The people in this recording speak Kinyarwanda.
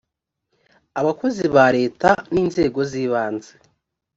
abakozi ba leta n inzego zibanze